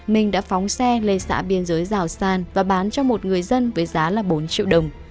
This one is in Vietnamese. minh đã phóng xe lây xã biên giới rào san và bán cho một người dân với giá bốn triệu đồng